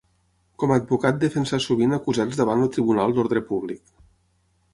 Com a advocat defensà sovint acusats davant el Tribunal d'Ordre Públic.